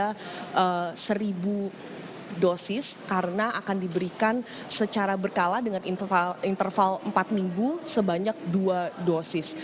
sejumlah vaksinasi yang diberikan adalah sekitar seribu dosis karena akan diberikan secara berkala dengan interval empat minggu sebanyak dua dosis